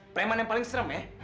preman yang paling serem ya